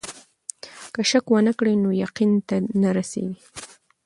که شک ونه کړې نو يقين ته نه رسېږې.